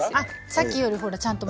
さっきよりほらちゃんと。